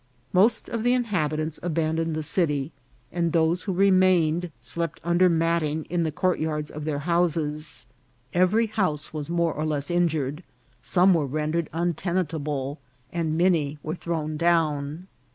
Most of the inhabi tants abandoned the city, and those who remained slept under matting in the courtyards of their houses. Every house was more or less injured ; some were rendered untenantable, and many were thrown down.